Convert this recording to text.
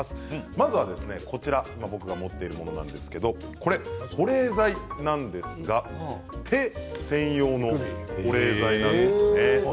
まずは僕が持っているものなんですが保冷剤なんですが手専用の保冷剤なんですね。